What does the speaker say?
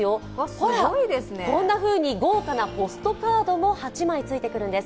ほら、こんなふうに豪華なポストカードも８枚ついてくるんです。